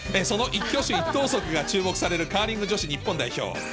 その一挙手一投足が注目されるカーリング女子日本代表。